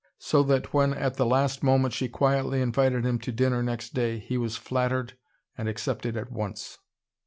So that when at the last moment she quietly invited him to dinner next day, he was flattered and accepted at once.